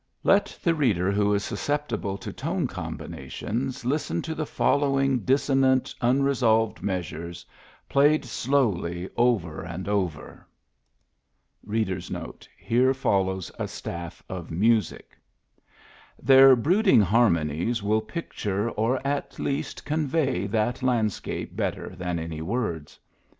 Let the reader who is susceptible to tone com binations listen to the following dissonant, unre solved measures, played slowly over and over: — A A V V their brooding harmonies will picture or at least convey that landscape better than any words.